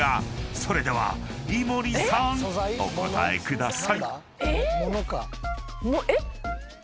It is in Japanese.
［それでは井森さんお答えください］え